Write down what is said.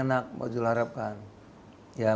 makanya kalau ditanya orang mana yang paling enak